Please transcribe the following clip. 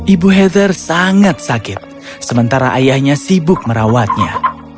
ibu heather sangat sakit sementara ayahnya sibuk merawatnya